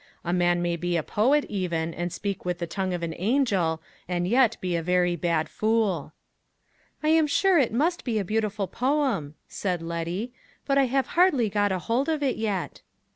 A man may be a poet even, and speak with the tongue of an angel, and yet be a very bad fool. "I am sure it must be a beautiful poem," said Letty; "but I have hardly got a hold of it yet."